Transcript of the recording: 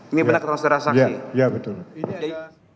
ini benar benar serah saksi